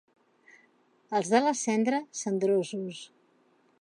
Els de la Cendra, cendrosos.